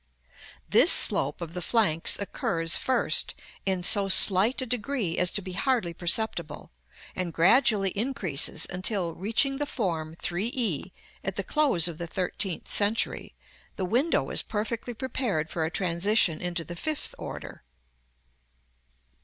[Illustration: Fig. XXX.] This slope of the flanks occurs, first, in so slight a degree as to be hardly perceptible, and gradually increases until, reaching the form 3 e at the close of the thirteenth century, the window is perfectly prepared for a transition into the fifth order.